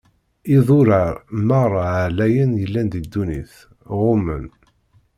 Idurar meṛṛa ɛlayen yellan di ddunit, ɣummen.